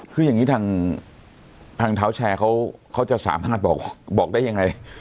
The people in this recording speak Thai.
คืออย่างนี้ทางเท้าแชร์เขาจะสามารถบอกได้ยังไง